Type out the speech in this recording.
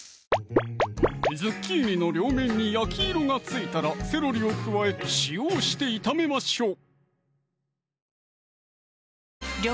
ズッキーニの両面に焼き色がついたらセロリを加え塩をして炒めましょう